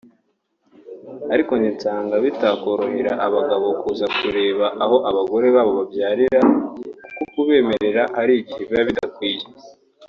ariko njye nsanga bitakorohera abagabo kuza kureba aho abagore babo babyarira kuko kubemerera hari igihe biba bidakwiye